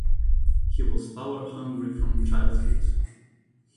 He was power hungry from childhood.